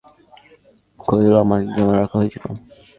রাতে ট্রাক এসে নিয়ে যাবে, তাই খুঁড়ে তোলা মাটি জমা করা হয়েছিল।